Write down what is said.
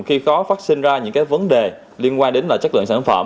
khi khó phát sinh ra những vấn đề liên quan đến chất lượng sản phẩm